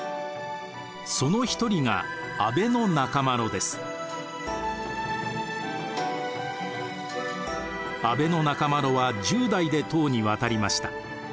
その一人が阿倍仲麻呂は１０代で唐に渡りました。